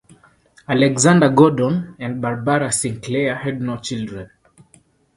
Alexander Gordon and Barbara Sinclair had no children.